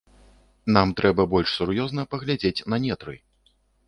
Нам трэба больш сур'ёзна паглядзець на нетры.